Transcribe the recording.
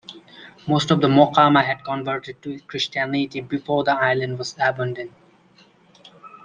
Most of the Mocama had converted to Christianity before the island was abandoned.